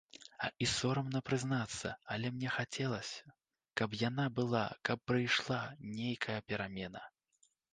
І сорамна прызнацца, але мне хацелася, каб яна была, каб прыйшла нейкая перамена.